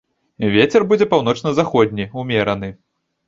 Вецер будзе паўночна-заходні ўмераны.